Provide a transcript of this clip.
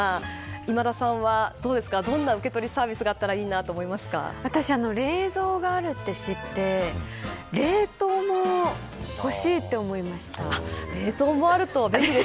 今田さんは、どんな受け取りサービスがあったらいいなと私、冷蔵があると知って冷凍も欲しいって思いました。